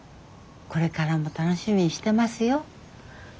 これからも楽しみにしてますよ。